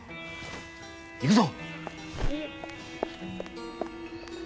行くぞ！